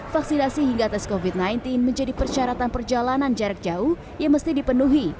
vaksinasi hingga tes covid sembilan belas menjadi persyaratan perjalanan jarak jauh yang mesti dipenuhi